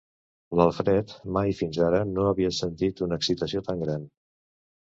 L'Alfred mai fins ara no havia sentit una excitació tan gran.